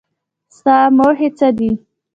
ستا موخې څه دي ؟